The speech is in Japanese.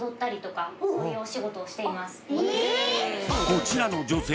こちらの女性